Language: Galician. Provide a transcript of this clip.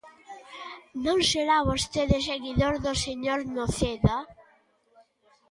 ¿Non será vostede seguidor do señor Noceda?